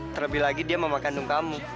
terlebih lagi dia mama gandung kamu